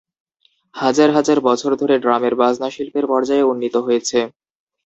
হাজার হাজার বছর ধরে ড্রামের বাজনা শিল্পের পর্যায়ে উন্নিত হয়েছে।